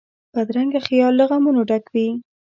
بدرنګه خیال له غمونو ډک وي